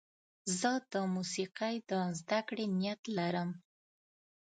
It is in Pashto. زه د موسیقۍ د زدهکړې نیت لرم.